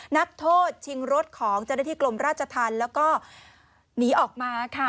นักโทษชิงรถของเจ้าหน้าที่กรมราชธรรมแล้วก็หนีออกมาค่ะ